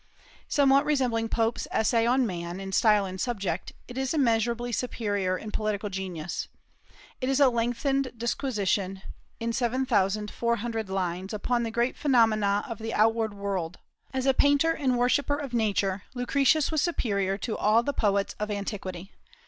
Somewhat resembling Pope's "Essay on Man" in style and subject, it is immeasurably superior in poetical genius. It is a lengthened disquisition, in seven thousand four hundred lines, upon the great phenomena of the outward world. As a painter and worshipper of Nature, Lucretius was superior to all the poets of antiquity.